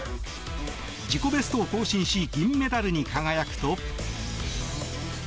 自己ベストを更新し銀メダルに輝くと。